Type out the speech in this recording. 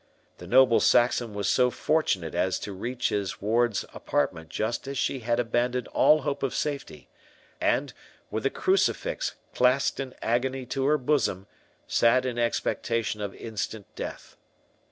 The noble Saxon was so fortunate as to reach his ward's apartment just as she had abandoned all hope of safety, and, with a crucifix clasped in agony to her bosom, sat in expectation of instant death.